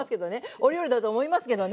お料理だと思いますけどね。